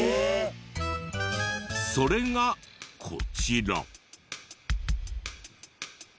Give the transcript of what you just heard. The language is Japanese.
それがこちら。